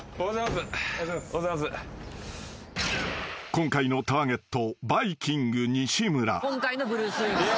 ［今回のターゲット］